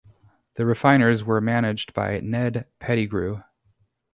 The Refiners were managed by Ned Pettigrew.